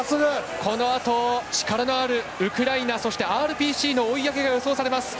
このあと、力のあるウクライナそしてＲＰＣの追い上げが予想されます。